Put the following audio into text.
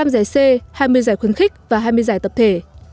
một mươi năm giải c hai mươi giải khuyến khích và hai mươi giải tập thể